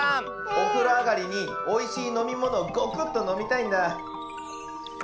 おふろあがりにおいしいのみものをゴクッとのみたいんだ。